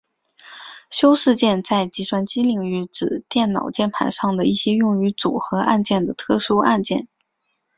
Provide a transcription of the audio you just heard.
修饰键在计算机领域指电脑键盘上的一些用于组合按键的特殊按键。